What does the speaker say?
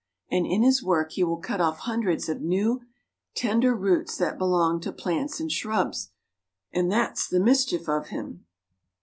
And in his work he will cut off hundreds of new, tender roots that belong to plants and shrubs. And that's the mischief of him."